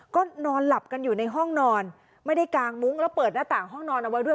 ก็นอนหลับกันอยู่ในห้องนอนไม่ได้กางมุ้งแล้วเปิดหน้าต่างห้องนอนเอาไว้ด้วย